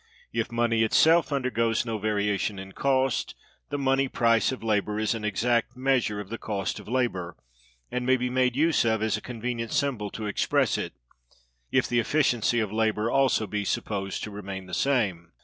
If money itself undergoes no variation in cost, the money price of labor is an exact measure of the cost of labor, and may be made use of as a convenient symbol to express it [if the efficiency of labor also be supposed to remain the same].